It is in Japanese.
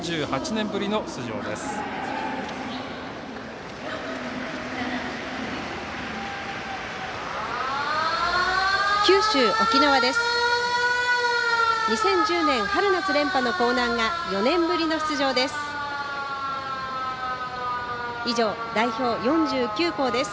２０１０年春夏連覇の興南が４年ぶりの出場です。